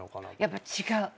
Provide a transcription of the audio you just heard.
やっぱ違う。